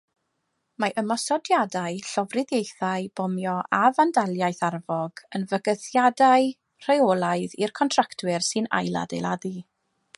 Mae ymosodiadau, llofruddiaethau, bomio a fandaliaeth arfog yn fygythiadau rheolaidd i'r contractwyr sy'n ailadeiladu.